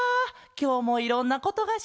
きょうもいろんなことがしれた。